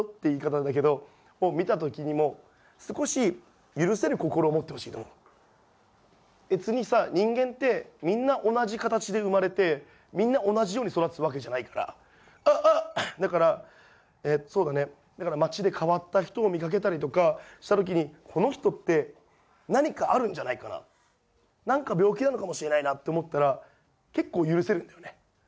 あれだけどを見た時にも少し許せる心を持ってほしいと思う別にさ人間ってみんな同じ形で生まれてみんな同じように育つわけじゃないからあっあっだからそうだねだから街で変わった人を見かけたりとかした時にこの人って何かあるんじゃないかな何か病気なのかもしれないなって思ったら結構許せるんだよね